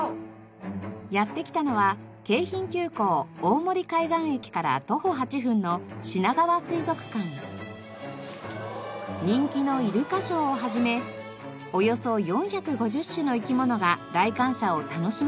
やって来たのは京浜急行大森海岸駅から徒歩８分の人気のイルカショーを始めおよそ４５０種の生き物が来館者を楽しませています。